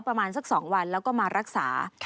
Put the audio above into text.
ประมาณสัก๒วันแล้วก็มารักษา